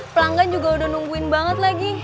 pelanggan juga udah nungguin banget lagi